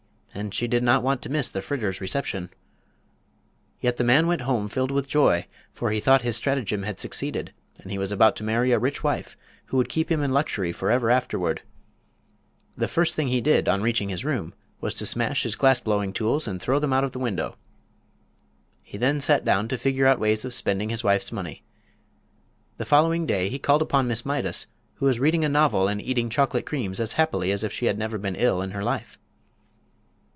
And she did not want to miss the Fritters' reception. Yet the man went home filled with joy; for he thought his stratagem had succeeded and he was about to marry a rich wife who would keep him in luxury forever afterward. The first thing he did on reaching his room was to smash his glass blowing tools and throw them out of the window. He then sat down to figure out ways of spending his wife's money. The following day he called upon Miss Mydas, who was reading a novel and eating chocolate creams as happily as if she had never been ill in her life.